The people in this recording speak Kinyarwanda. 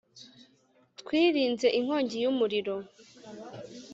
Twirinze inkongi yumuriro